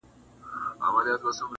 د دې خوب تعبير يې ورکه شیخ صاحبه،